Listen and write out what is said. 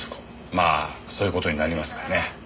まあそういう事になりますかね。